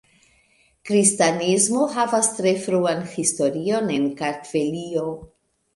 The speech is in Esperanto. Kristanismo havas tre fruan historion en Kartvelio.